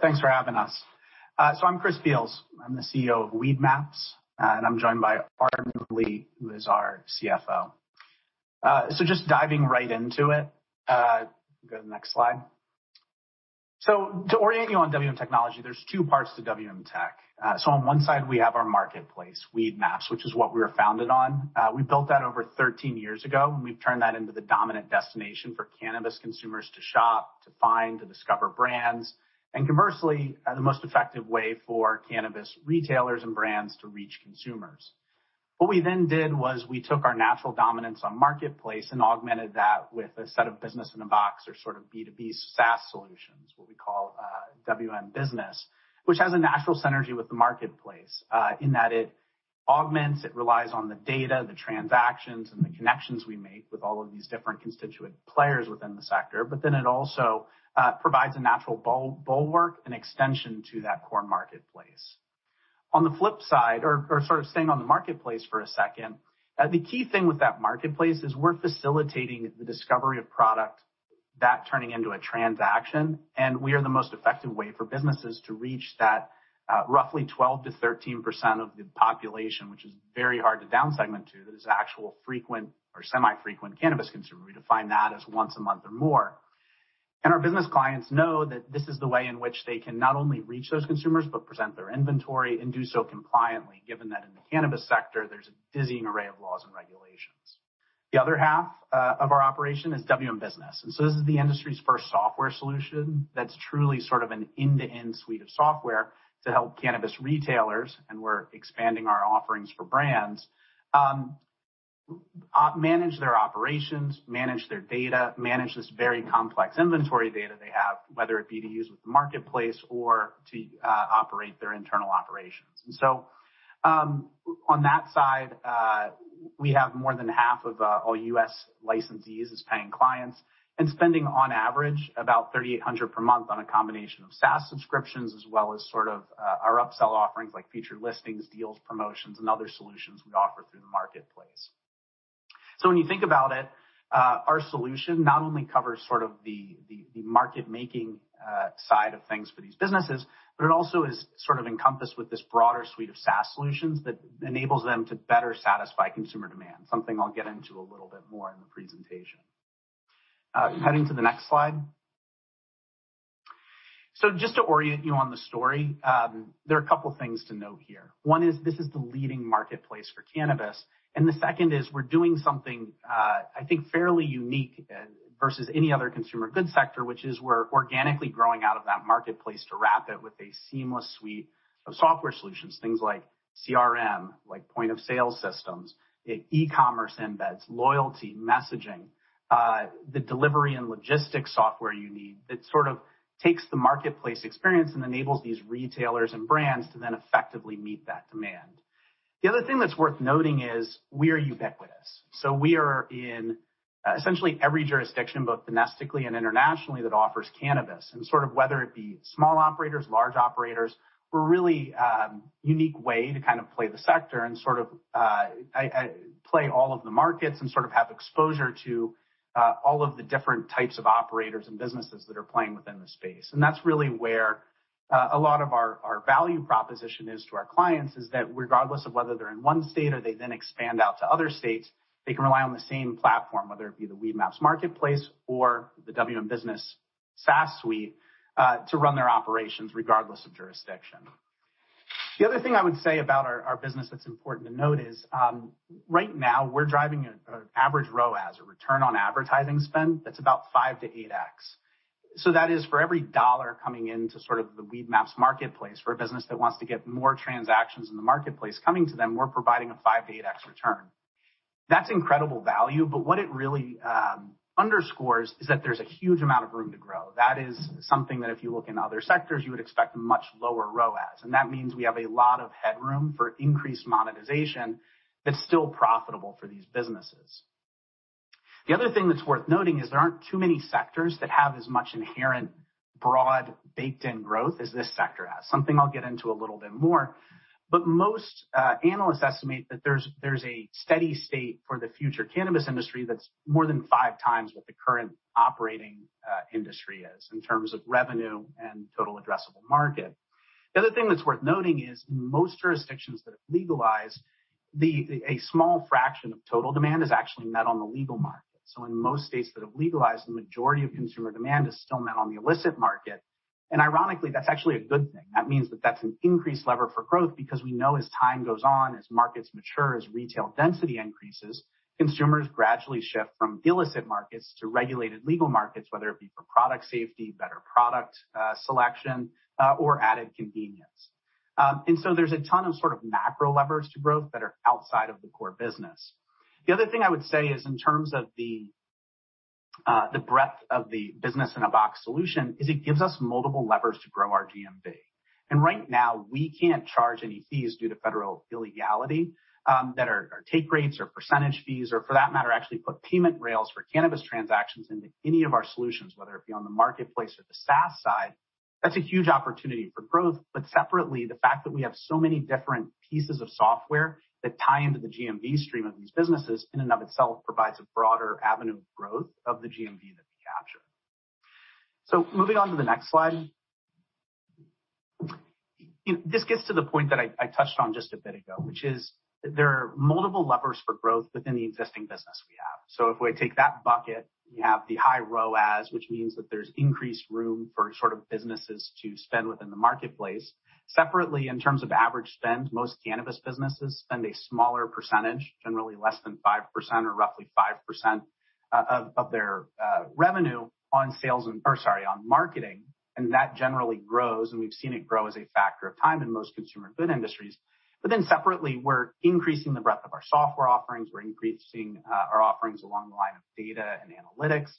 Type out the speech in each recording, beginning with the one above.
Thanks for having us. I'm Chris Beals. I'm the CEO of Weedmaps, and I'm joined by Arden Lee, who is our CFO. Just diving right into it. Go to the next slide. To orient you on WM Technology, there's two parts to WM Tech. On one side, we have our marketplace, Weedmaps, which is what we were founded on. We built that over 13 years ago, and we've turned that into the dominant destination for cannabis consumers to shop, to find, to discover brands, and commercially, the most effective way for cannabis retailers and brands to reach consumers. What we then did was we took our natural dominance on marketplace and augmented that with a set of business in a box or sort of B2B SaaS solutions, what we call WM Business, which has a natural synergy with the marketplace, in that it augments, it relies on the data, the transactions, and the connections we make with all of these different constituent players within the sector. It also provides a natural bulwark and extension to that core marketplace. On the flip side or sort of staying on the marketplace for a second, the key thing with that marketplace is we're facilitating the discovery of products, turning that into a transaction, and we are the most effective way for businesses to reach that, roughly 12%-13% of the population, which is very hard to down segment to. That is an actual frequent or semi-frequent cannabis consumer. We define that as once a month or more. Our business clients know that this is the way in which they can not only reach those consumers, but present their inventory and do so compliantly, given that in the cannabis sector, there's a dizzying array of laws and regulations. The other half of our operation is WM Business. This is the industry's first software solution that's truly sort of an end-to-end suite of software to help cannabis retailers, and we're expanding our offerings for brands, manage their operations, manage their data, manage this very complex inventory data they have, whether it be to use with the marketplace or to operate their internal operations. On that side, we have more than half of all U.S. licensees as paying clients and spending on average about $3,800 per month on a combination of SaaS subscriptions as well as sort of our upsell offerings like featured listings, deals, promotions, and other solutions we offer through the marketplace. When you think about it, our solution not only covers sort of the market-making side of things for these businesses, but it also is sort of encompassed with this broader suite of SaaS solutions that enables them to better satisfy consumer demand. Something I'll get into a little bit more in the presentation. Heading to the next slide. Just to orient you on the story, there are a couple things to note here. One is this is the leading marketplace for cannabis, and the second is we're doing something, I think fairly unique, versus any other consumer goods sector, which is we're organically growing out of that marketplace to wrap it with a seamless suite of software solutions, things like CRM, like point-of-sale systems, e-commerce embeds, loyalty, messaging, the delivery and logistics software you need that sort of takes the marketplace experience and enables these retailers and brands to then effectively meet that demand. The other thing that's worth noting is we are ubiquitous. We are in, essentially every jurisdiction, both domestically and internationally, that offers cannabis. Sort of whether it be small operators, large operators, we're really a unique way to kind of play the sector and sort of play all of the markets and sort of have exposure to all of the different types of operators and businesses that are playing within the space. That's really where a lot of our value proposition is to our clients, is that regardless of whether they're in one state or they then expand out to other states, they can rely on the same platform, whether it be the Weedmaps marketplace or the WM Business SaaS suite to run their operations regardless of jurisdiction. The other thing I would say about our business that's important to note is right now we're driving an average ROAS, a return on advertising spend, that's about 5-8x. That is for every dollar coming in to sort of the Weedmaps marketplace for a business that wants to get more transactions in the marketplace, coming to them, we're providing a 5-8x return. That's incredible value, but what it really underscores is that there's a huge amount of room to grow. That is something that if you look in other sectors, you would expect much lower ROAS. That means we have a lot of headroom for increased monetization that's still profitable for these businesses. The other thing that's worth noting is there aren't too many sectors that have as much inherent, broad, baked-in growth as this sector has. Something I'll get into a little bit more. Most analysts estimate that there's a steady state for the future cannabis industry that's more than five times what the current operating industry is in terms of revenue and total addressable market. The other thing that's worth noting is most jurisdictions that have legalized, a small fraction of total demand is actually met on the legal market. In most states that have legalized, the majority of consumer demand is still met on the illicit market. Ironically, that's actually a good thing. That means that that's an increased lever for growth because we know as time goes on, as markets mature, as retail density increases, consumers gradually shift from illicit markets to regulated legal markets, whether it be for product safety, better product selection, or added convenience. There's a ton of sort of macro levers to growth that are outside of the core business. The other thing I would say is in terms of the the breadth of the business-in-a-box solution is it gives us multiple levers to grow our GMV. Right now, we can't charge any fees due to federal illegality that are take rates or percentage fees, or for that matter, actually put payment rails for cannabis transactions into any of our solutions, whether it be on the marketplace or the SaaS side. That's a huge opportunity for growth. Separately, the fact that we have so many different pieces of software that tie into the GMV stream of these businesses in and of itself provides a broader avenue of growth of the GMV that we capture. Moving on to the next slide. This gets to the point that I touched on just a bit ago, which is there are multiple levers for growth within the existing business we have. If we take that bucket, we have the high ROAS, which means that there's increased room for sort of businesses to spend within the marketplace. Separately, in terms of average spend, most cannabis businesses spend a smaller percentage, generally less than 5% or roughly 5% of their revenue on sales or sorry, on marketing. That generally grows, and we've seen it grow as a factor of time in most consumer goods industries. Separately, we're increasing the breadth of our software offerings. We're increasing our offerings along the line of data and analytics.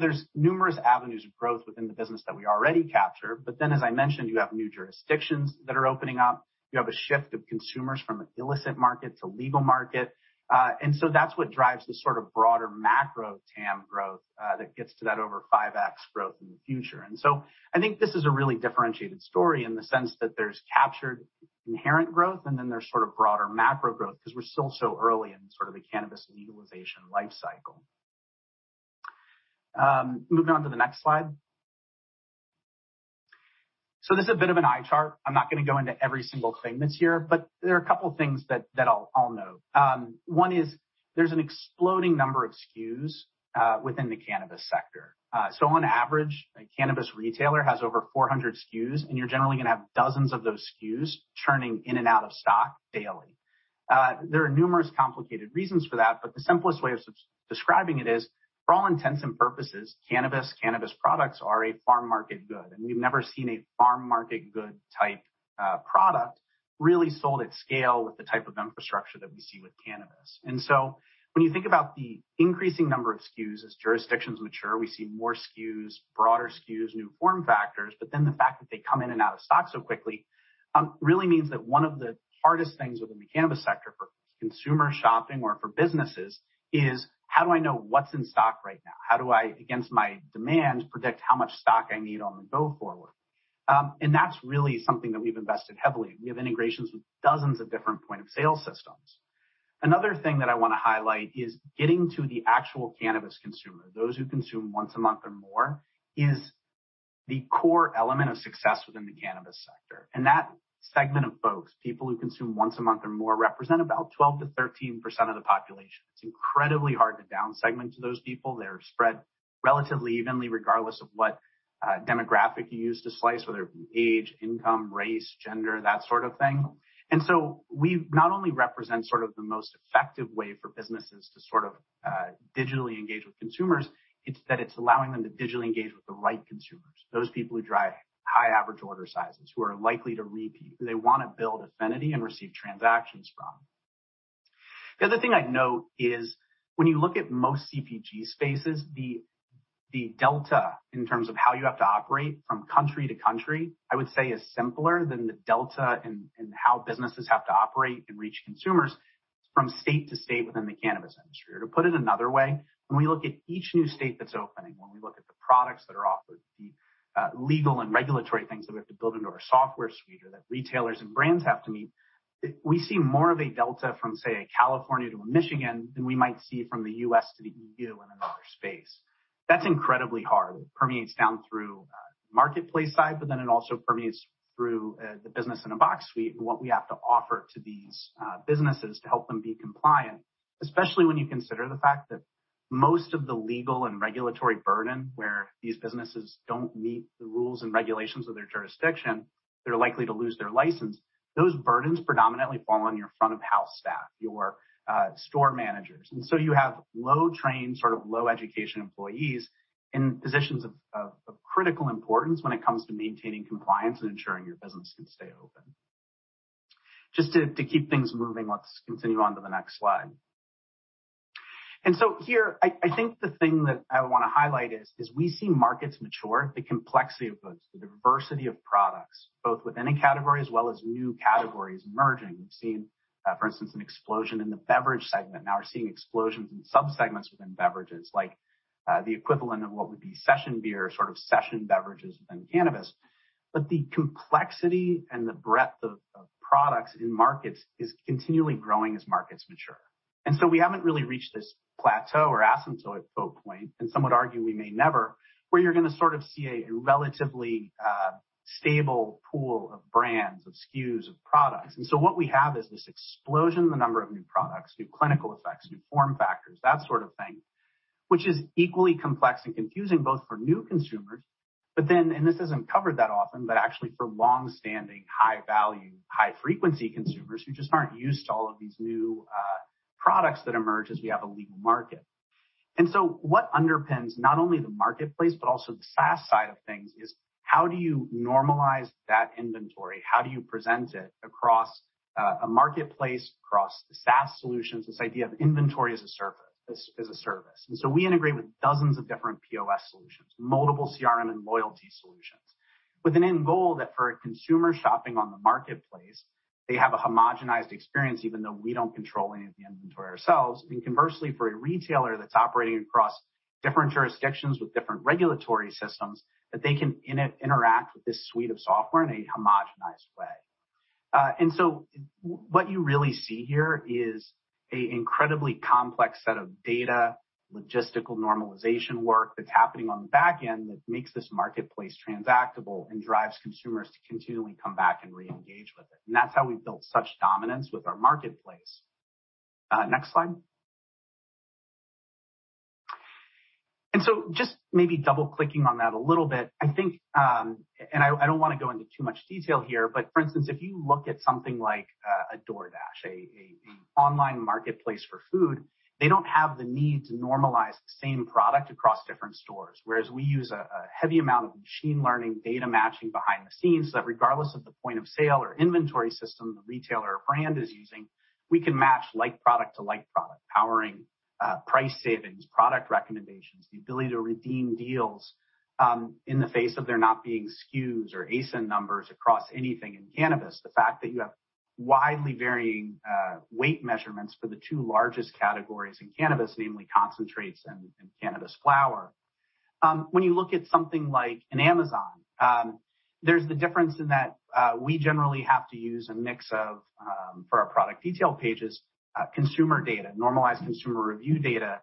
There's numerous avenues of growth within the business that we already capture. As I mentioned, you have new jurisdictions that are opening up. You have a shift of consumers from an illicit market to legal market. That's what drives the sort of broader macro TAM growth, that gets to that over 5x growth in the future. I think this is a really differentiated story in the sense that there's captured inherent growth, and then there's sort of broader macro growth because we're still so early in sort of the cannabis legalization life cycle. Moving on to the next slide. This is a bit of an eye chart. I'm not gonna go into every single thing that's here, but there are a couple of things that I'll note. One is there's an exploding number of SKUs within the cannabis sector. On average, a cannabis retailer has over 400 SKUs, and you're generally gonna have dozens of those SKUs churning in and out of stock daily. There are numerous complicated reasons for that, but the simplest way of describing it is, for all intents and purposes, cannabis products are a farm market good. We've never seen a farm market good type product really sold at scale with the type of infrastructure that we see with cannabis. When you think about the increasing number of SKUs as jurisdictions mature, we see more SKUs, broader SKUs, new form factors. The fact that they come in and out of stock so quickly really means that one of the hardest things within the cannabis sector for consumer shopping or for businesses is how do I know what's in stock right now? How do I, against my demand, predict how much stock I need on the go forward? That's really something that we've invested heavily in. We have integrations with dozens of different point-of-sale systems. Another thing that I wanna highlight is getting to the actual cannabis consumer. Those who consume once a month or more is the core element of success within the cannabis sector. That segment of folks, people who consume once a month or more, represent about 12%-13% of the population. It's incredibly hard to down segment to those people. They're spread relatively evenly, regardless of what demographic you use to slice, whether it be age, income, race, gender, that sort of thing. We not only represent sort of the most effective way for businesses to sort of digitally engage with consumers, it's that it's allowing them to digitally engage with the right consumers, those people who drive high average order sizes, who are likely to repeat, who they wanna build affinity and receive transactions from. The other thing I'd note is when you look at most CPG spaces, the delta in terms of how you have to operate from country to country, I would say is simpler than the delta in how businesses have to operate and reach consumers from state to state within the cannabis industry. To put it another way, when we look at each new state that's opening, when we look at the products that are offered, the legal and regulatory things that we have to build into our software suite or that retailers and brands have to meet, we see more of a delta from, say, a California to a Michigan than we might see from the U.S. to the EU in another space. That's incredibly hard. It permeates down through marketplace side, but then it also permeates through the business-in-a-box suite and what we have to offer to these businesses to help them be compliant, especially when you consider the fact that most of the legal and regulatory burden where these businesses don't meet the rules and regulations of their jurisdiction, they're likely to lose their license. Those burdens predominantly fall on your front of house staff, your store managers. You have low-trained, sort of low-education employees in positions of critical importance when it comes to maintaining compliance and ensuring your business can stay open. Just to keep things moving, let's continue on to the next slide. Here, I think the thing that I wanna highlight is, as we see markets mature, the complexity of those, the diversity of products, both within a category as well as new categories emerging. We've seen, for instance, an explosion in the beverage segment. Now we're seeing explosions in subsegments within beverages like, the equivalent of what would be session beer, sort of session beverages within cannabis. But the complexity and the breadth of products in markets is continually growing as markets mature. We haven't really reached this plateau or asymptote point, and some would argue we may never, where you're gonna sort of see a relatively stable pool of brands, of SKUs, of products. What we have is this explosion in the number of new products, new clinical effects, new form factors, that sort of thing, which is equally complex and confusing both for new consumers, but then, and this isn't covered that often, but actually for long-standing, high-value, high-frequency consumers who just aren't used to all of these new products that emerge as we have a legal market. What underpins not only the marketplace but also the SaaS side of things is how do you normalize that inventory? How do you present it across a marketplace, across the SaaS solutions, this idea of inventory as a service? We integrate with dozens of different POS solutions, multiple CRM and loyalty solutions with an end goal that for a consumer shopping on the marketplace, they have a homogenized experience, even though we don't control any of the inventory ourselves. Conversely, for a retailer that's operating across different jurisdictions with different regulatory systems, that they can interact with this suite of software in a homogenized way. What you really see here is an incredibly complex set of data, logistical normalization work that's happening on the back end that makes this marketplace transactable and drives consumers to continually come back and reengage with it. That's how we've built such dominance with our marketplace. Next slide. Just maybe double-clicking on that a little bit, I think, I don't wanna go into too much detail here, but for instance, if you look at something like a DoorDash, an online marketplace for food, they don't have the need to normalize the same product across different stores, whereas we use a heavy amount of machine learning, data matching behind the scenes, so that regardless of the point of sale or inventory system the retailer or brand is using, we can match like product to like product, powering price savings, product recommendations, the ability to redeem deals, in the face of there not being SKUs or ASIN numbers across anything in cannabis. The fact that you have widely varying weight measurements for the two largest categories in cannabis, namely concentrates and cannabis flower. When you look at something like an Amazon, there's the difference in that we generally have to use a mix of for our product detail pages consumer data, normalized consumer review data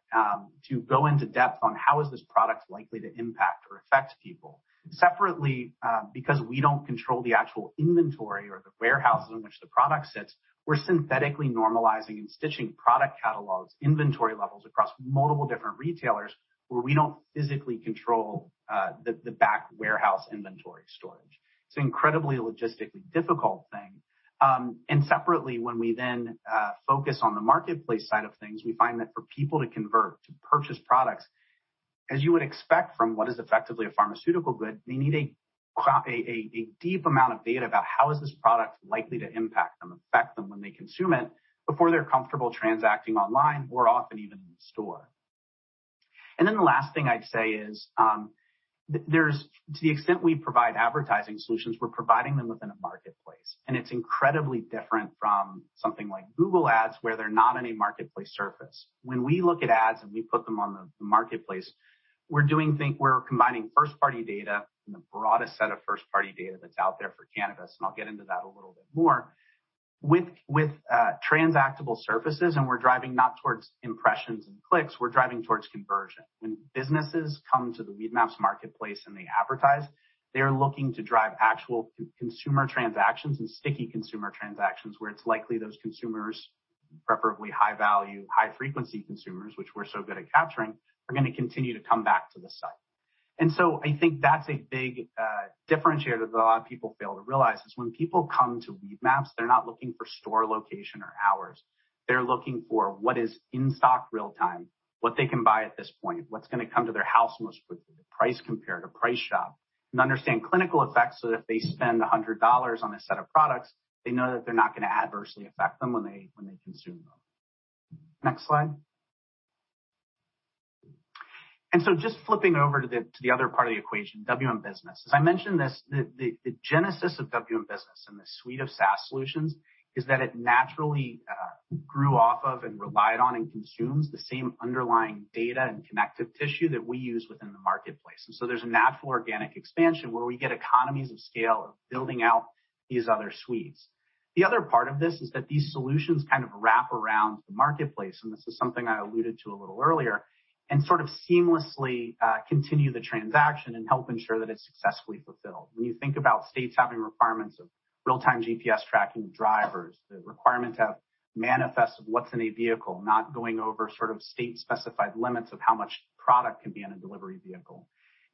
to go into depth on how is this product likely to impact or affect people. Separately, because we don't control the actual inventory or the warehouses in which the product sits, we're synthetically normalizing and stitching product catalogs, inventory levels across multiple different retailers where we don't physically control the back-warehouse inventory storage. It's an incredibly logistically difficult thing. Separately, when we then focus on the marketplace side of things, we find that for people to convert to purchase products, as you would expect from what is effectively a pharmaceutical good, they need a deep amount of data about how is this product likely to impact them, affect them when they consume it before they're comfortable transacting online or often even in store. Then the last thing I'd say is, to the extent we provide advertising solutions, we're providing them within a marketplace, and it's incredibly different from something like Google Ads, where they're not in a marketplace surface. When we look at ads and we put them on the marketplace, we're combining first-party data and the broadest set of first-party data that's out there for cannabis, and I'll get into that a little bit more, with transactable surfaces, and we're driving not towards impressions and clicks, we're driving towards conversion. When businesses come to the Weedmaps marketplace, and they advertise, they are looking to drive actual consumer transactions and sticky consumer transactions where it's likely those consumers, preferably high-value, high-frequency consumers, which we're so good at capturing, are gonna continue to come back to the site. I think that's a big differentiator that a lot of people fail to realize is when people come to Weedmaps, they're not looking for store location or hours. They're looking for what is in stock real time, what they can buy at this point, what's gonna come to their house most quickly, the price comparison shopping, and understand clinical effects, so that if they spend $100 on a set of products, they know that they're not gonna adversely affect them when they consume them. Next slide. Just flipping over to the other part of the equation, WM Business. As I mentioned, the genesis of WM Business and the suite of SaaS solutions is that it naturally grew off of and relied on and consumes the same underlying data and connective tissue that we use within the marketplace. There's a natural organic expansion where we get economies of scale of building out these other suites. The other part of this is that these solutions kind of wrap around the marketplace, and this is something I alluded to a little earlier, and sort of seamlessly continue the transaction and help ensure that it's successfully fulfilled. When you think about states having requirements of real-time GPS tracking of drivers, the requirement to have manifests of what's in a vehicle, not going over sort of state-specified limits of how much product can be in a delivery vehicle,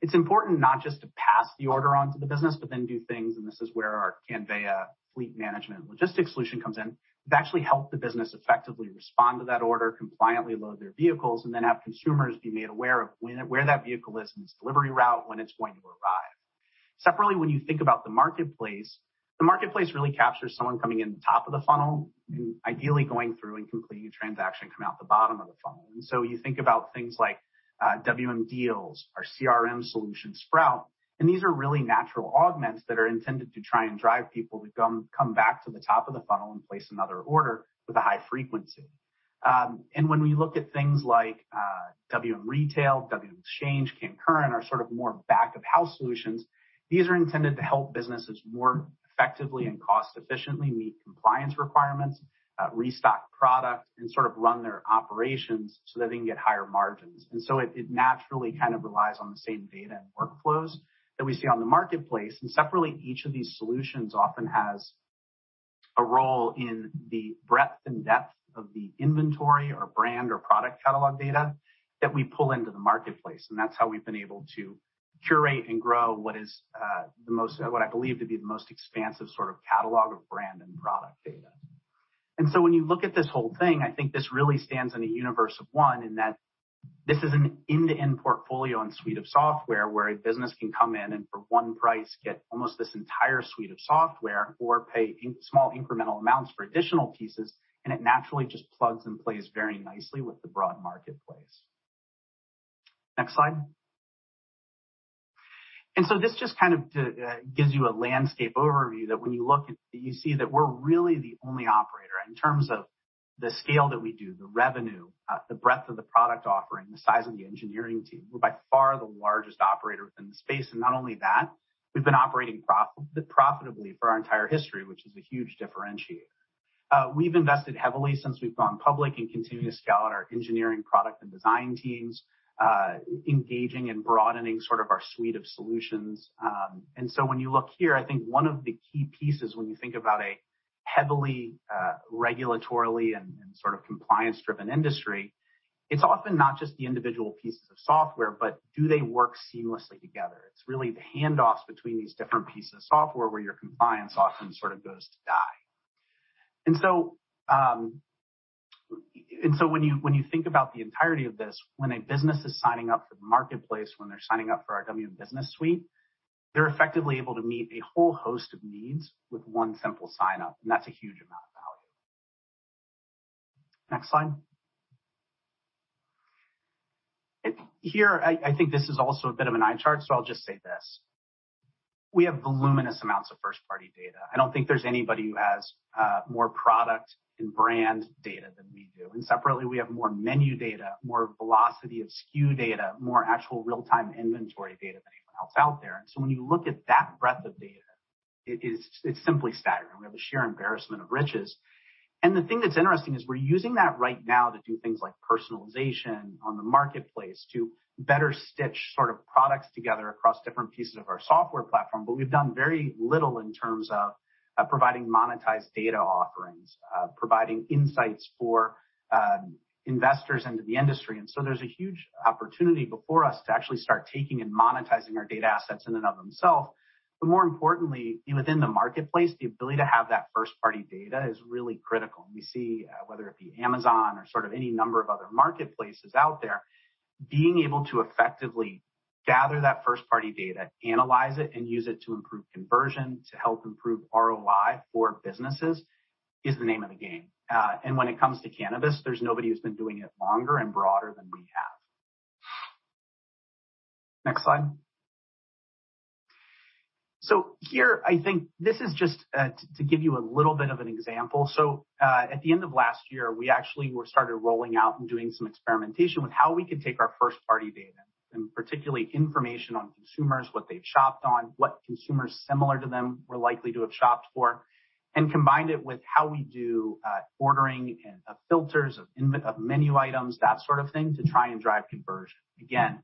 it's important not just to pass the order on to the business, but then do things, and this is where our Cannveya fleet management logistics solution comes in, to actually help the business effectively respond to that order, compliantly load their vehicles, and then have consumers be made aware of where that vehicle is in its delivery route, when it's going to arrive. Separately, when you think about the marketplace, the marketplace really captures someone coming in top of the funnel and ideally going through and completing a transaction, come out the bottom of the funnel. You think about things like WM Deals, our CRM solution, Sprout, and these are really natural augments that are intended to try and drive people to come back to the top of the funnel and place another order with a high frequency. When we look at things like WM Retail, WM Exchange, CannCurrent are sort of more back-of-house solutions. These are intended to help businesses more effectively and cost efficiently meet compliance requirements, restock product, and sort of run their operations so that they can get higher margins. It naturally kind of relies on the same data and workflows that we see on the marketplace. Separately, each of these solutions often has a role in the breadth and depth of the inventory or brand or product catalog data that we pull into the marketplace, and that's how we've been able to curate and grow what I believe to be the most expansive sort of catalog of brand and product data. When you look at this whole thing, I think this really stands in a universe of one in that this is an end-to-end portfolio and suite of software where a business can come in and for one price, get almost this entire suite of software or pay small incremental amounts for additional pieces, and it naturally just plugs and plays very nicely with the broad marketplace. Next slide. This just kind of gives you a landscape overview that when you look at you see that we're really the only operator in terms of the scale that we do, the revenue, the breadth of the product offering, the size of the engineering team, we're by far the largest operator within the space. Not only that, we've been operating profitably for our entire history, which is a huge differentiator. We've invested heavily since we've gone public and continue to scale out our engineering product and design teams, engaging and broadening sort of our suite of solutions. When you look here, I think one of the key pieces when you think about a heavily regulatory and sort of compliance-driven industry, it's often not just the individual pieces of software, but do they work seamlessly together? It's really the handoffs between these different pieces of software where your compliance often sort of goes to die. When you think about the entirety of this, when a business is signing up for the marketplace, when they're signing up for our WM Business suite, they're effectively able to meet a whole host of needs with one simple sign-up, and that's a huge amount of value. Next slide. Here, I think this is also a bit of an eye chart, so I'll just say this. We have voluminous amounts of first-party data. I don't think there's anybody who has more product and brand data than we do. Separately, we have more menu data, more velocity of SKU data, more actual real-time inventory data than anyone else out there. When you look at that breadth of data, it's simply staggering. We have a sheer embarrassment of riches. The thing that's interesting is we're using that right now to do things like personalization on the marketplace to better stitch sort of products together across different pieces of our software platform. We've done very little in terms of providing monetized data offerings, providing insights for investors into the industry. There's a huge opportunity before us to actually start taking and monetizing our data assets in and of themselves. More importantly, within the marketplace, the ability to have that first-party data is really critical. We see whether it be Amazon or sort of any number of other marketplaces out there, being able to effectively gather that first-party data, analyze it, and use it to improve conversion, to help improve ROI for businesses is the name of the game. When it comes to cannabis, there's nobody who's been doing it longer and broader than we have. Next slide. Here, I think this is just to give you a little bit of an example. At the end of last year, we actually were started rolling out and doing some experimentation with how we could take our first-party data, and particularly information on consumers, what they've shopped on, what consumers similar to them were likely to have shopped for, and combined it with how we do ordering and filters of menu items, that sort of thing, to try and drive conversion. Again,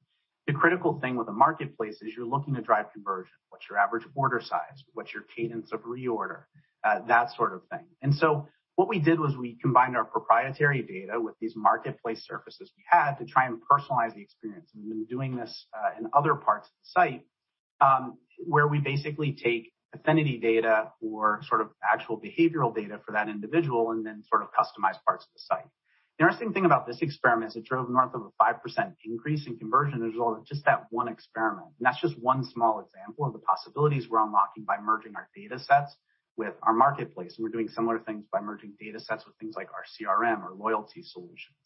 the critical thing with the marketplace is you're looking to drive conversion. What's your average order size? What's your cadence of reorder? That sort of thing. What we did was we combined our proprietary data with these marketplace surfaces we had to try and personalize the experience. We've been doing this in other parts of the site, where we basically take affinity data or sort of actual behavioral data for that individual and then sort of customize parts of the site. The interesting thing about this experiment is it drove north of 5% increase in conversion as a result of just that one experiment. That's just one small example of the possibilities we're unlocking by merging our data sets with our marketplace. We're doing similar things by merging data sets with things like our CRM or loyalty solutions.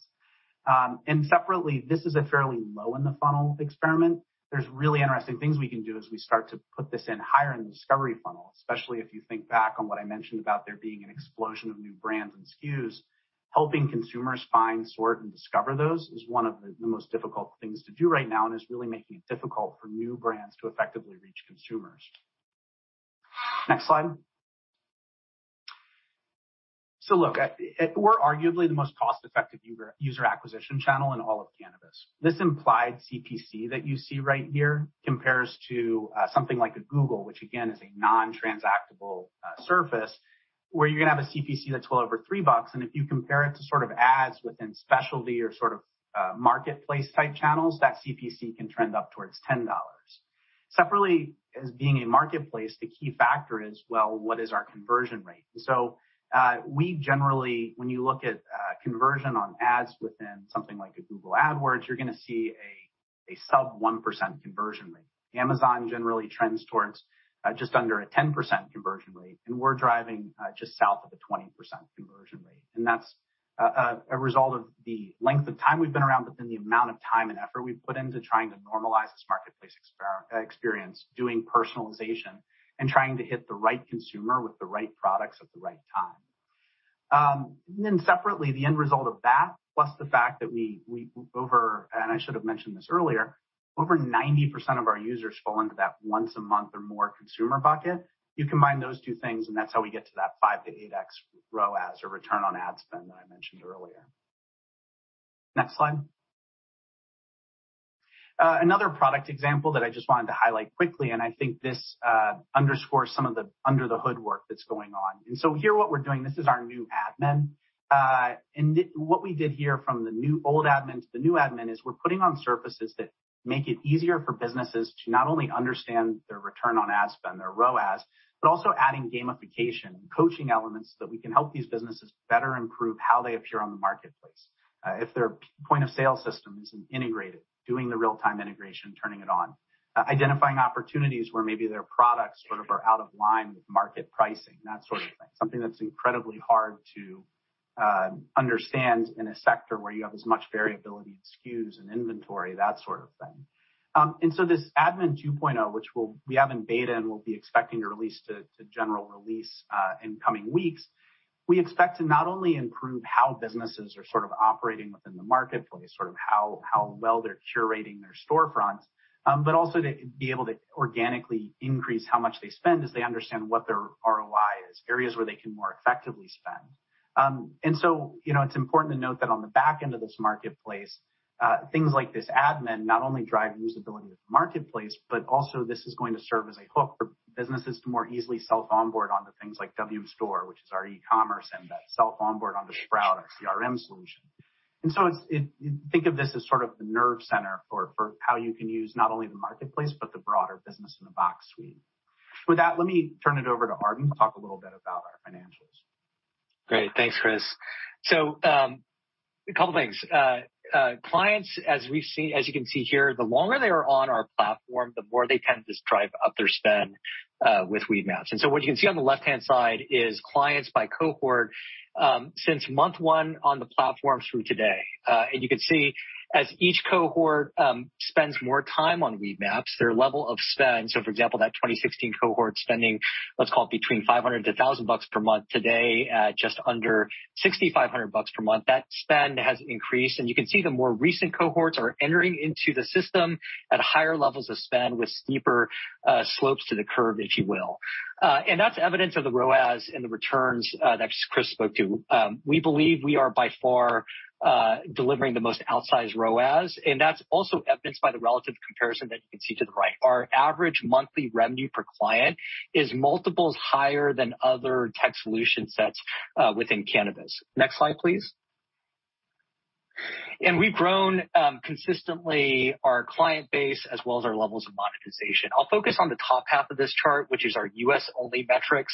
Separately, this is a fairly low in the funnel experiment. There's really interesting things we can do as we start to put this in higher in the discovery funnel, especially if you think back on what I mentioned about there being an explosion of new brands and SKUs. Helping consumers find, sort, and discover those is one of the most difficult things to do right now, and it's really making it difficult for new brands to effectively reach consumers. Next slide. We're arguably the most cost-effective user acquisition channel in all of cannabis. This implied CPC that you see right here compares to something like a Google, which again is a non-transactable surface, where you're gonna have a CPC that's well over $3. If you compare it to sort of ads within specialty or sort of marketplace-type channels, that CPC can trend up towards $10. Separately, as being a marketplace, the key factor is, well, what is our conversion rate? We generally, when you look at conversion on ads within something like Google AdWords, you're gonna see a sub 1% conversion rate. Amazon generally trends towards just under a 10% conversion rate, and we're driving just south of a 20% conversion rate. That's a result of the length of time we've been around, but then the amount of time and effort we've put into trying to normalize this marketplace experience, doing personalization and trying to hit the right consumer with the right products at the right time. Separately, the end result of that, plus the fact that we, and I should have mentioned this earlier, over 90% of our users fall into that once-a-month or more consumer bucket. You combine those two things, and that's how we get to that 5-8x ROAS or return on ad spend that I mentioned earlier. Next slide. Another product example that I just wanted to highlight quickly, and I think this underscores some of the under-the-hood work that's going on. Here, what we're doing, this is our new admin. What we did here from the old admin to the new admin is we're putting on surfaces that make it easier for businesses to not only understand their return on ad spend, their ROAS, but also adding gamification, coaching elements so that we can help these businesses better improve how they appear on the marketplace. If their point of sale system isn't integrated, doing the real-time integration, turning it on, identifying opportunities where maybe their products sort of are out of line with market pricing, that sort of thing. Something that's incredibly hard to understand in a sector where you have as much variability in SKUs and inventory, that sort of thing. This Admin 2.0, which we have in beta and we'll be expecting to release to general release in coming weeks, we expect to not only improve how businesses are sort of operating within the marketplace, sort of how well they're curating their storefronts, but also to be able to organically increase how much they spend as they understand what their ROI is, areas where they can more effectively spend. You know, it's important to note that on the back end of this marketplace, things like this admin not only drive usability of the marketplace, but also this is going to serve as a hook for businesses to more easily self-onboard onto things like WM Store, which is our e-commerce, and to self-onboard onto Sprout, our CRM solution. Think of this as sort of the nerve center for how you can use not only the marketplace but the broader business-in-a-box suite. With that, let me turn it over to Arden to talk a little bit about our financials. Great. Thanks, Chris. A couple things. Clients, as you can see here, the longer they are on our platform, the more they tend to just drive up their spend with Weedmaps. What you can see on the left-hand side is clients by cohort, since month one on the platform through today. You can see as each cohort spends more time on Weedmaps, their level of spend, so for example, that 2016 cohort spending, let's call it between $500-$1,000 per month, today at just under $6,500 per month, that spend has increased. You can see the more recent cohorts are entering into the system at higher levels of spend with steeper slopes to the curve, if you will. That's evidence of the ROAS and the returns that Chris spoke to. We believe we are by far delivering the most outsized ROAS, and that's also evidenced by the relative comparison that you can see to the right. Our average monthly revenue per client is multiples higher than other tech solution sets within cannabis. Next slide, please. We've grown consistently our client base as well as our levels of monetization. I'll focus on the top half of this chart, which is our U.S.-only metrics.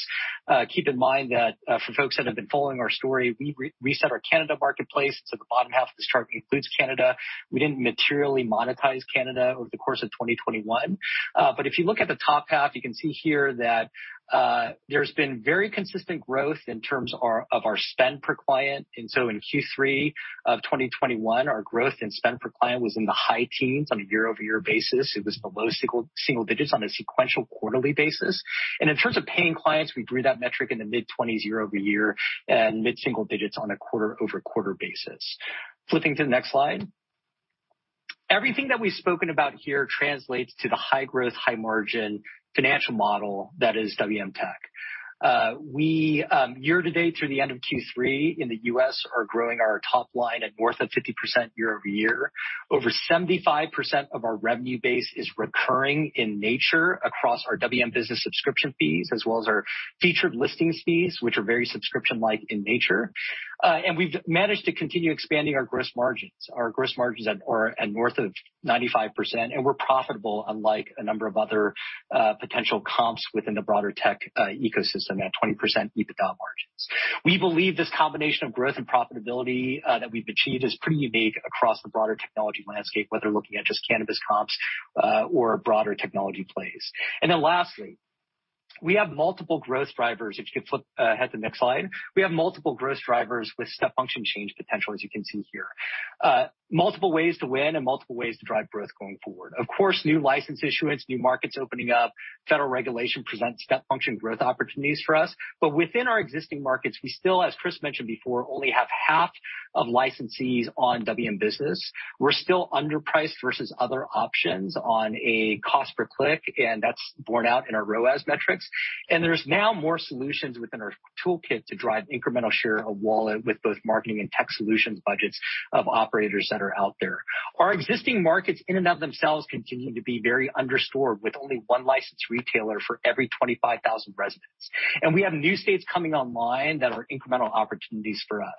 Keep in mind that for folks that have been following our story, we reset our Canada marketplace, so the bottom half of this chart includes Canada. We didn't materially monetize Canada over the course of 2021. If you look at the top half, you can see here that there's been very consistent growth in terms of our spend per client. In Q3 of 2021, our growth in spend per client was in the high teens on a year-over-year basis. It was the low single digits on a sequential quarterly basis. In terms of paying clients, we grew that metric in the mid-twenties year-over-year and mid-single digits on a quarter-over-quarter basis. Flipping to the next slide. Everything that we've spoken about here translates to the high-growth, high-margin financial model that is WM Tech. We, year-to-date through the end of Q3 in the U.S., are growing our top line at north of 50% year-over-year. Over 75% of our revenue base is recurring in nature across our WM business subscription fees as well as our featured listings fees, which are very subscription-like in nature. We've managed to continue expanding our gross margins. Our gross margins are at north of 95%, and we're profitable unlike a number of other potential comps within the broader tech ecosystem at 20% EBITDA margins. We believe this combination of growth and profitability that we've achieved is pretty unique across the broader technology landscape, whether looking at just cannabis comps or broader technology plays. Lastly, we have multiple growth drivers. If you could flip ahead to the next slide. We have multiple growth drivers with step function change potential, as you can see here. Multiple ways to win and multiple ways to drive growth going forward. Of course, new license issuance, new markets opening up, federal regulation presents step function growth opportunities for us. Within our existing markets, we still, as Chris mentioned before, only have half of licensees on WM Business. We're still underpriced versus other options on a cost per click, and that's borne out in our ROAS metrics. There's now more solutions within our toolkit to drive incremental share-of-wallet with both marketing and tech solutions budgets of operators that are out there. Our existing markets in and of themselves continue to be very under-stored with only one licensed retailer for every 25,000 residents. We have new states coming online that are incremental opportunities for us.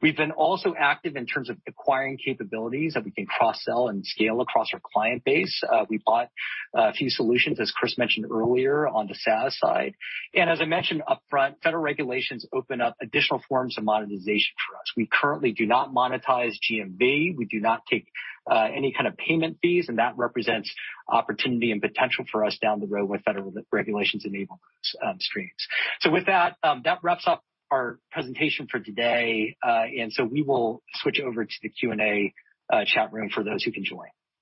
We've been also active in terms of acquiring capabilities that we can cross-sell and scale across our client base. We bought a few solutions, as Chris mentioned earlier, on the SaaS side. As I mentioned upfront, federal regulations open up additional forms of monetization for us. We currently do not monetize GMV. We do not take any kind of payment fees, and that represents opportunity and potential for us down the road when federal re-regulations enable those streams. With that wraps up our presentation for today. We will switch over to the Q&A chat room for those who can join.